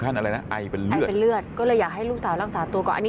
ไอให้เป็นเลือดก็เลยอยากให้ลูกสาวรักษาตัวก่อน